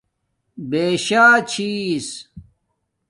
بِشݳچھس